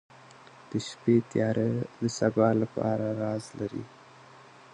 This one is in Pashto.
• د شپې تیاره د سبا لپاره راز لري.